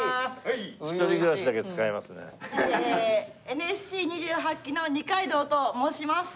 ＮＳＣ２８期の二階堂と申します。